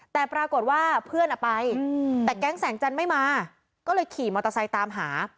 แต่ปรากฏว่าเพื่อนไปแต่แก๊งแสงจันทร์ไม่มาก็เลยขี่มอเตอร์ไซค์ตามหา